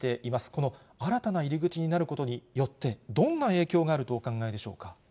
この新たな入り口になることによって、どんな影響があるとお考え